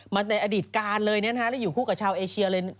ในอดีตการเลยแล้วอยู่คู่กับชาวเอเชียเลย